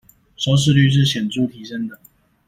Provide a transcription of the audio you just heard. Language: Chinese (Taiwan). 收視率是顯著提升的